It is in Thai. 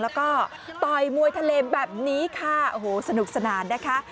แล้วก็ต่อยมวยทะเลแบบนี้ค่ะโอ้โหสนุกสนานนะคะ